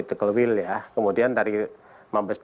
itu yang pertama